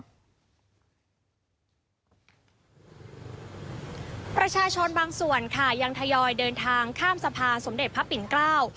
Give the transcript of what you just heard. ประชาชนบางส่วนค่ะยังทยอยเดินทางข้ามสะพานสมเด็จพระปิ่นเกล้า